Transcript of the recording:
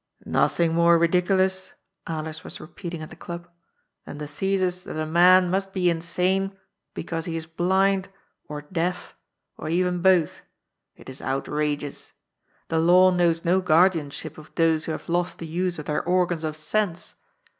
^ !N'othing more ridiculous," Alers was repeating at the Club, than the thesis that a man must be insane because he is blind, or deaf, or even both. It is outrageous. The law knows no guardianship of those who have lost the use of their organs of sense.